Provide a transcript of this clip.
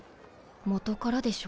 元からでしょ。